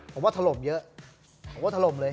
ผมว่าถล่มเยอะผมก็ถล่มเลย